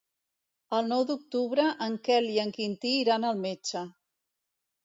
El nou d'octubre en Quel i en Quintí iran al metge.